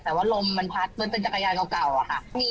แต่ว่าลมมันพัดเหมือนเป็นจักรยานเก่าเก่าอ่ะค่ะมีอะไรขยับนิดหนึ่งเนี้ย